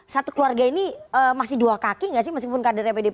satu keluarga ini masih dua kaki gak sih meskipun kadarnya pd presiden